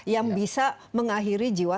yang bisa mengakhiri jiwa